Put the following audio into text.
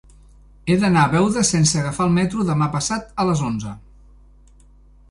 He d'anar a Beuda sense agafar el metro demà passat a les onze.